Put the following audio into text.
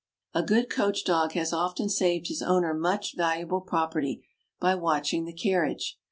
A good Coach Dog has often saved his owner much val uable property by watching the carriage.